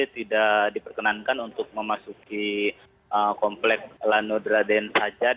tidak diperkenankan untuk memasuki komplek lanodraden ajar